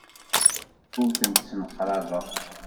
Ur tent-ssemqrabeɣ.